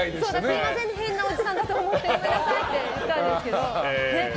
すみません変なおじさんだと思ってごめんなさいって言ったんですけど。